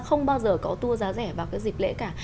không bao giờ có tour giá rẻ vào cái dịp lễ cả